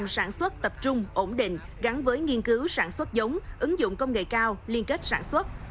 sản xuất tập trung ổn định gắn với nghiên cứu sản xuất giống ứng dụng công nghệ cao liên kết sản xuất